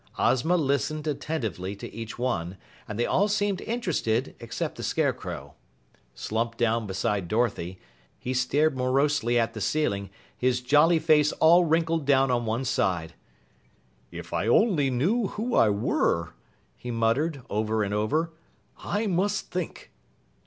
Ozma listened attentively to each one, and they all seemed interested except the Scarecrow. Slumped down beside Dorothy, he stared morosely at the ceiling, his jolly face all wrinkled down on one side. "If I only knew who I were!" he muttered over and over. "I must think!"